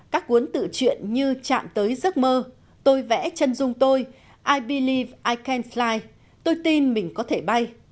các cuốn tự truyện như chạm tới giấc mơ tôi vẽ chân dung tôi i believe i can fly tôi tin mình có thể bay